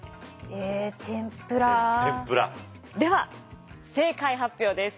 では正解発表です。